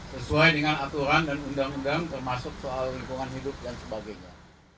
sesuai dengan aturan dan undang undang termasuk soal lingkungan hidup dan sebagainya